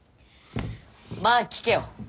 まあ聞けよ。